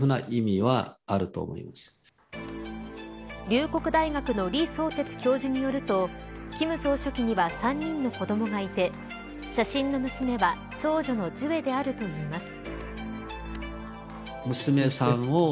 龍谷大学の李相哲教授によると金総書記には３人の子どもがいて写真の娘は長女の主愛であるといいます。